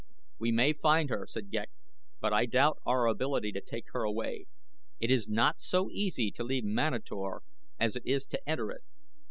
"We may find her," said Ghek; "but I doubt our ability to take her away. It is not so easy to leave Manator as it is to enter it.